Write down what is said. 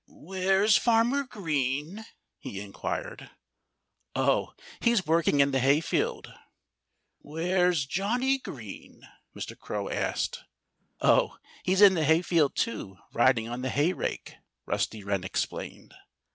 "Where's Farmer Green?" he inquired. "Oh! He's working in the hayfield." "Where's Johnnie Green?" Mr. Crow asked. "Oh! He's in the hayfield, too, riding on the hayrake," Rusty Wren explained.